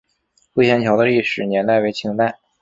会仙桥的历史年代为清代。